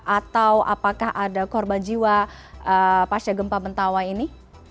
atau apakah ada korban jiwa pasca gempa mentawai ini